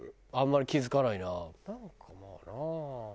あんまり気付かないな。